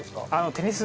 テニス！